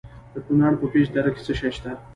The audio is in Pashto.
د کونړ په پيچ دره کې څه شی شته؟